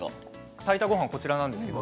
炊いたごはんはこちらです。